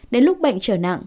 đến lúc bệnh trở nặng